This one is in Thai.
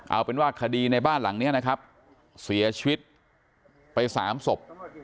เอาเป็นว่าคดีในบ้านหลังนี้นะครับเสียชีวิตไป๓ศพ